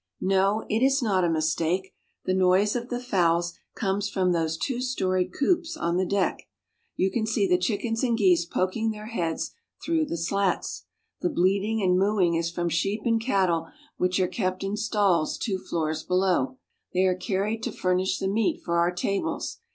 No, it is not a mistake. The noise of the fowls comes from those two storied coops on the deck. You can see GENERAL VIEW. 3 1 the chickens and geese poking their heads through the slats. The bleating and mooing is from sheep and cattle which are kept in stalls two floors below. They are car ried to furnish the meat for our tables.